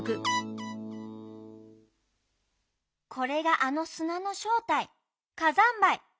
これがあのすなのしょうたい火山灰。